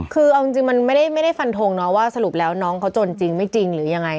คือเอาจริงมันไม่ได้ฟันทงเนาะว่าสรุปแล้วน้องเขาจนจริงไม่จริงหรือยังไง